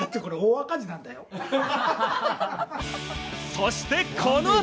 そして、この後。